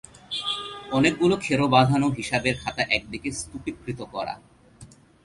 অনেকগুলি খেরো বাঁধানো হিসাবের খাতা একদিকে স্তুপীকৃত করা।